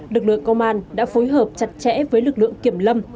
lực lượng công an đã phối hợp chặt chẽ với lực lượng kiểm lâm